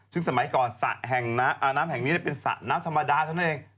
ซึ่งสมัยก่อนสระแห่งน้ำแห่งนี้เป็นสระน้ำธรรมดาเท่านั้นเอง